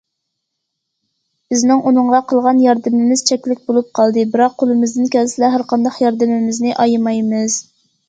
بىزنىڭ ئۇنىڭغا قىلغان ياردىمىمىز چەكلىك بولۇپ قالدى، بىراق قولىمىزدىن كەلسىلا ھەر قانداق ياردىمىمىزنى ئايىمايمىز.